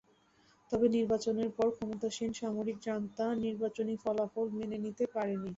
তবে নির্বাচনের পর ক্ষমতাসীন সামরিক জান্তা নির্বাচনী ফলাফল মেনে নিতে পারেনি।